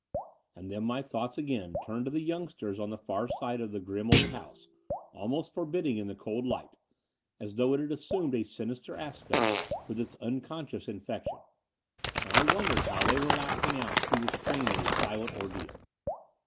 And then my thoughts again turned to the youngsters on the far side of the grim old house, almost for bidding in the cold light, as though it had assumed a sinister aspect with its unconscious infection: and I wondered how they were lasting out through the strain of the silent ordeal.